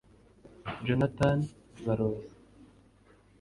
Jonathan Baroza